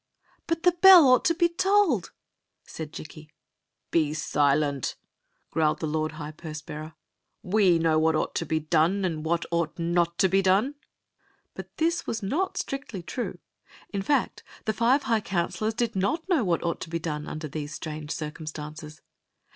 " But the bell ought to be tolled !" said Jikki. "Be silent!" growled the lord high purse bearer. Stoiy of the Magic Cloak n We know what ought to be done and what ought not to be done." But this was not strictly true. In fact, the five high counselors did not know what ought to be done under these strange circumstances.